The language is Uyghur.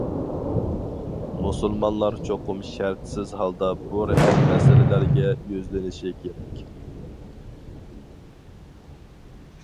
مۇسۇلمانلار چوقۇم شەرتسىز ھالدا بۇ رېئال مەسىلىلەرگە يۈزلىنىشى كېرەك.